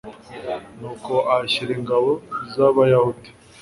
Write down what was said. nuko ahashyira ingabo z'abayahudi